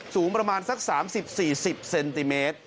สูงประมาณสัก๓๐๔๐เซนติเมตร